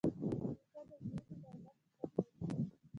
نیکه د زړونو نرمښت خوښوي.